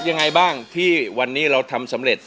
ยังไม่มีให้รักยังไม่มี